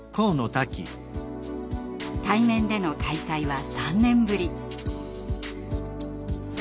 対面での開催は３年ぶり。